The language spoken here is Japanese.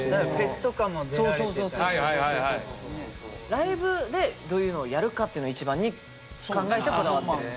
ライブでどういうのをやるかっていうのを一番に考えてこだわってるんですね。